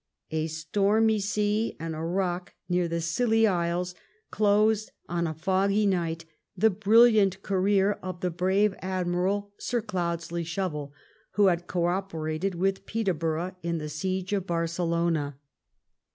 A stormy sea and a rock near the Scilly Isles closed, on a foggy night, the brilliant career of the. brave Admiral Sir Cloudesley Shovel, who had co operated with Peterborough in the capture of Barcelona.